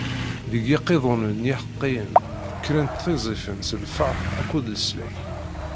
Deg yiqiḍunen n iḥeqqiyen, kkrent tiẓẓifin s lferḥ akked leslak.